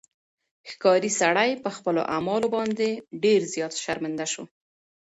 ښکاري سړی په خپلو اعمالو باندې ډېر زیات شرمنده شو.